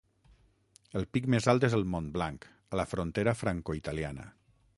El pic més alt és el Mont Blanc, a la frontera franco-italiana.